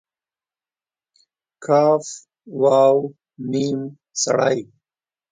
ک و م سړی؟